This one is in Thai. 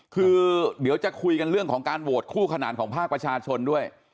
คือเดี๋ยวจะคุยกันเรื่องของการโหวตคู่ขนาดของภาคประชาชนด้วย